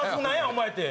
お前って。